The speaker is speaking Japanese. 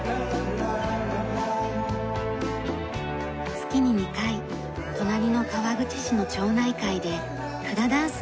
月に２回隣の川口市の町内会でフラダンスの伴奏もしています。